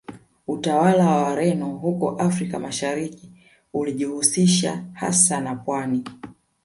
Utawala wa Wareno huko Afrika Mashariki ulijihusisha hasa na pwani